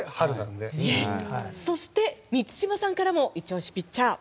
そして満島さんからもイチ押しピッチャー。